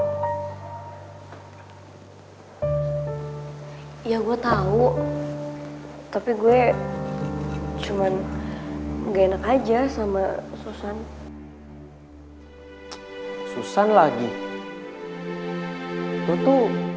kok gak muncul sih